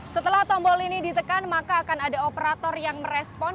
setelah tombol ini ditekan maka akan ada operator yang merespon